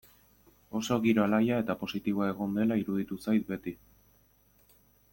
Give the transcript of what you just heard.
Oso giro alaia eta positiboa egon dela iruditu zait beti.